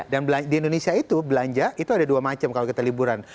dan di indonesia itu belanja itu ada dua macam kalau kita liburan